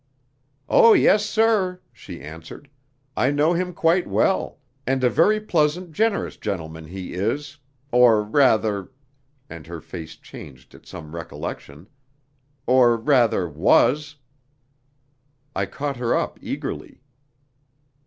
"Oh, yes, sir," she answered, "I know him quite well, and a very pleasant, generous gentleman he is or rather" (and her face changed at some recollection), "or rather was." I caught her up eagerly.